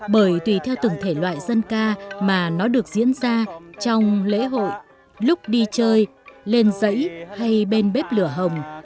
bởi tùy theo từng thể loại dân ca mà nó được diễn ra trong lễ hội lúc đi chơi lên giấy hay bên bếp lửa hồng